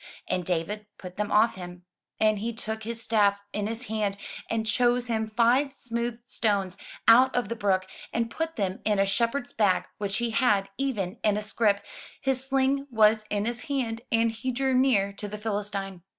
And David put them off him. And he took his staff in his hand, and chose him five smooth stones out of the brook, and put them in a shepherd's bag which he had, even in a scrip; his sling was in his hand, and he drew near to the Philistine.